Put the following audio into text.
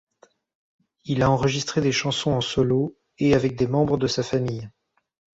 Il a enregistré des chansons en solo et avec des membres de sa famille.